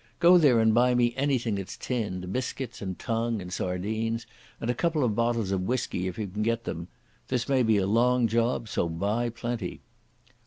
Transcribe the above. Go there and buy me anything that's tinned—biscuits and tongue and sardines, and a couple of bottles of whisky if you can get them. This may be a long job, so buy plenty."